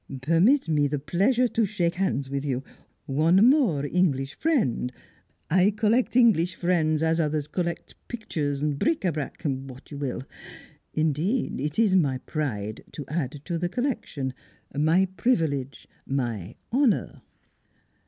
"Permit me the pleasure to shake hands with you! One more English friend! I collect English friends, as others collect pictures, bric a brac, what you will. Indeed, it is my pride to add to the collection my privilege, my honour."